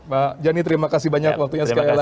pak janny terima kasih banyak waktunya sekali lagi